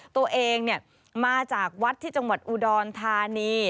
ตัวเองมาจากวัดที่จังหวัดอุดรธานี